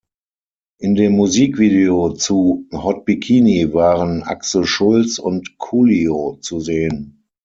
In dem Musikvideo zu "Hot Bikini" waren Axel Schulz und Coolio zu sehen.